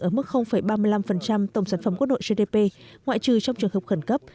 ở mức ba mươi năm tổng sản phẩm quốc nội gdp ngoại trừ trong trường hợp khẩn cấp